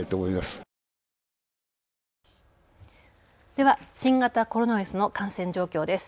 では新型コロナウイルスの感染状況です。